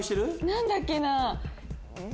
何だっけな？